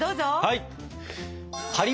はい！